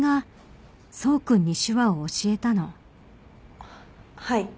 あっはい。